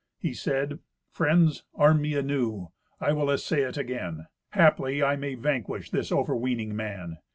He said, "Friends, arm me anew. I will essay it again. Haply I may vanquish this overweening man."